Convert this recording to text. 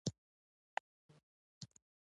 مينې ځواب ورکړ سمه ده جان دادی زه ځم.